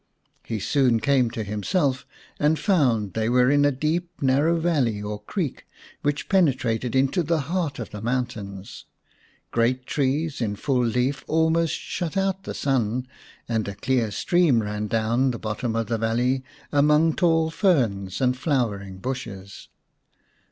He soon came to himself and found they were in a deep narrow valley or creek, which penetrated into the heart of the mountains. Great trees in full leaf almost shut out the sun, and a clear stream ran down the bottom of the valley among tall ferns and flowering bushes.